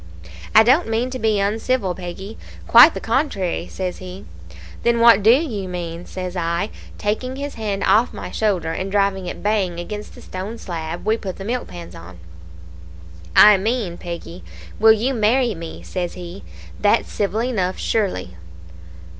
"'I don't mean to be uncivil, Peggy; quite the contrary,' says he. "'Then what do you mean?' says I, taking his hand off my shoulder, and driving it bang against the stone slab we put the milk pans on. "'I mean, Peggy, will you marry me?' says he; 'that's civil enough, surely.'